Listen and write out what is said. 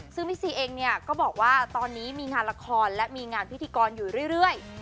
ซึ่งพี่ซีเองเนี่ยก็บอกว่าตอนนี้มีงานละครและมีงานพิธีกรอยู่เรื่อย